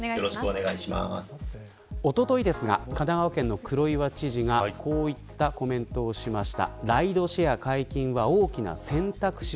おとといですが神奈川県の黒岩知事がこういったコメントをしました。